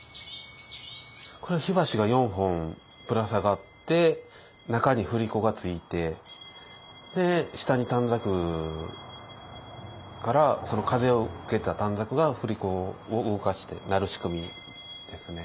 これは火箸が４本ぶら下がって中に振り子がついて下に短冊風を受けた短冊が振り子を動かして鳴る仕組みですね。